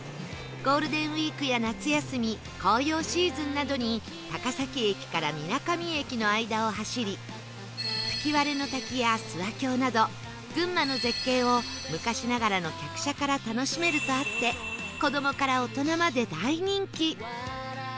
ゴールデンウィークや夏休み紅葉シーズンなどに高崎駅から水上駅の間を走り吹割の滝や諏訪峡など群馬の絶景を昔ながらの客車から楽しめるとあって子どもから大人まで大人気